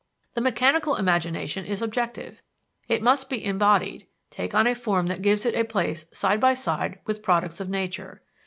The mechanical imagination is objective it must be embodied, take on a form that gives it a place side by side with products of nature.